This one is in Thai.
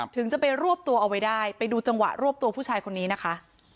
ถึงจะไปรวบตัวเอาไว้ได้ไปดูจังหวะรวบตัวผู้ชายคนนี้นะคะ